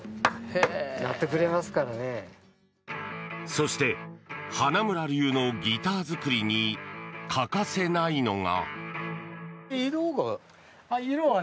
そして花村流のギター作りに欠かせないのが。